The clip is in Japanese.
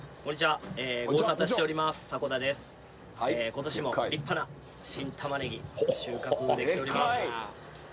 今年も立派な新たまねぎ収穫できております。